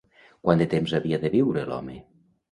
Quant de temps havia de viure l'home?